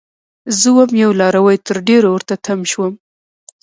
زه وم یو لاروی؛ تر ډيرو ورته تم شوم